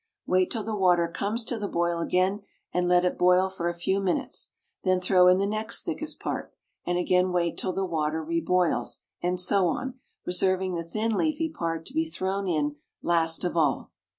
Wait till the water comes to the boil again and let it boil for a few minutes. Then throw in the next thickest part and again wait till the water re boils, and so on, reserving the thin leafy part to be thrown in last of all.